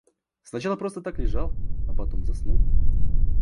Сначала просто так лежал, а потом заснул.